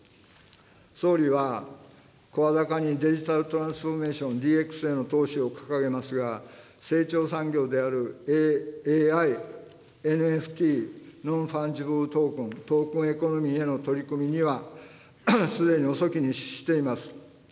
総理は声高にデジタルトランスフォーメーション・ＤＸへの投資を掲げますが、成長産業であるＡＩ、ＮＦＴ、ＮｏｎＦｕｎｇｉｂｌｅＴｏｋｅｎ、トークンエコノミーへの取り組みには、すでに遅きに失しています。